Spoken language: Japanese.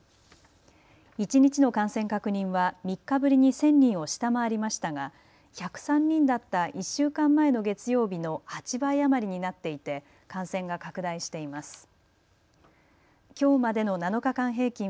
一日の感染確認は３日ぶりに１０００人を下回りましたが１０３人だった１週間前の月曜日の８倍余りになっていて感染が拡大しています。